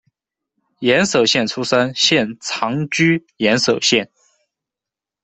岩手县出生，现长居岩手县。